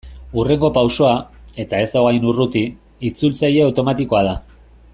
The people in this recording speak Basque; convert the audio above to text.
Hurrengo pausoa, eta ez dago hain urruti, itzultzaile automatikoa da.